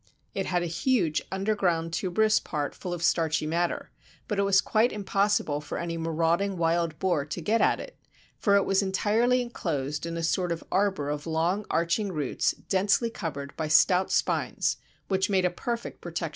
It had a huge underground tuberous part full of starchy matter, but it was quite impossible for any marauding wild boar to get at it, for it was entirely enclosed in a sort of arbour of long, arching roots densely covered by stout spines, which made a perfect protection.